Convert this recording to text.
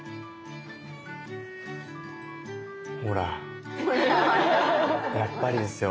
ほらやっぱりですよ。